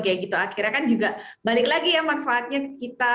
kayak gitu akhirnya kan juga balik lagi ya manfaatnya ke kita